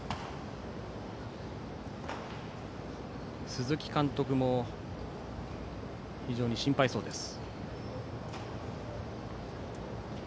鈴木監督も非常に心配そうです。